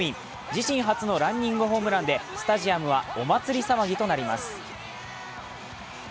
自身初のランニングホームランでスタジアムはお祭り騒ぎとなります。